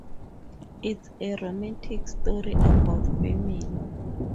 It's a romantic story about family.